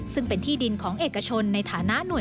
ซึ่งเป็นที่ดินของเอกชนในฐานะหน่วย